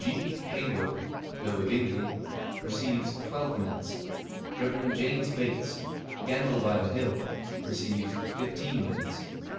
G. Hayward (Lower Bingley), receives twelve minutes. Rev. James Bates (Gandle by the Hill), receives fifteen minutes.